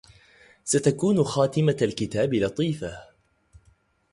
ستكون خاتمة الكتاب لطيفة